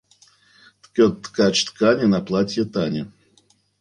Ткет ткач ткани на платье Тане.